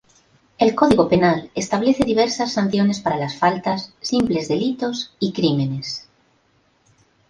El Código Penal establece diversas sanciones para las faltas, simples delitos y crímenes.